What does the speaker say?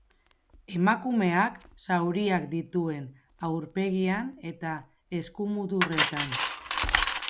Emakumeak zauriak zituen aurpegian eta eskumuturretan.